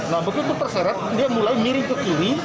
nah begitu terseret dia mulai miring ke kiri